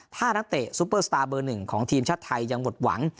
ถ้านักเตะซุปเปอร์สตาร์เบอร์๑ของทีมชาติไทยยังหมดหวัง